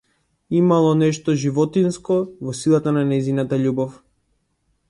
Имало нешто животинско во силата на нејзината љубов.